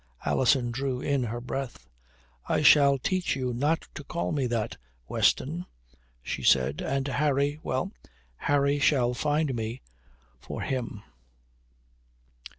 Alison drew in her breath. "I shall teach you not to call me that, Weston," she said. "And Harry well, Harry shall find me for him."